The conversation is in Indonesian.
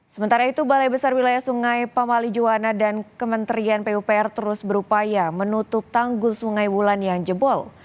sementara itu balai besar wilayah sungai pamali juwana dan kementerian pupr terus berupaya menutup tanggul sungai wulan yang jebol